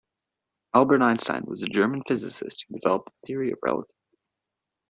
Albert Einstein was a German physicist who developed the Theory of Relativity.